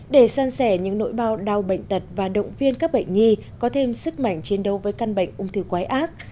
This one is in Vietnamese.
để san sẻ những nỗi đau bệnh tật và động viên các bệnh nhi có thêm sức mạnh chiến đấu với căn bệnh ung thư quái ác